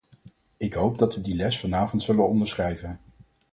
Ik hoop dat we die les vanavond zullen onderschrijven.